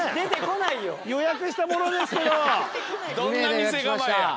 どんな店構えや。